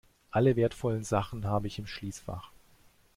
Alle wertvollen Sachen habe ich im Schließfach.